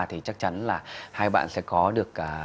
thì chắc chắn là hai bạn sẽ có được